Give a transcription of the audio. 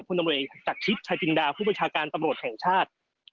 คุณตำรวจจักทิศธัยตินดาว์ผู้ประชาการตำรวจแห่งชาติ